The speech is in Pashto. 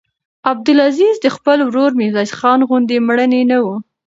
عبدالعزیز د خپل ورور میرویس خان غوندې مړنی نه و.